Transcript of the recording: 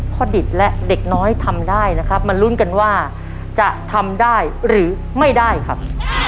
ดิตและเด็กน้อยทำได้นะครับมาลุ้นกันว่าจะทำได้หรือไม่ได้ครับ